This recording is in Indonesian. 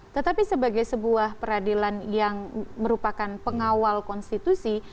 tetapi sebagai sebuah peradilan yang merupakan pengawal konstitusi